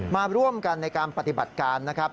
มาร่วมกันในการปฏิบัติการนะครับ